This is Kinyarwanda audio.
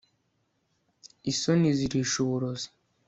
isoni zirisha uburozi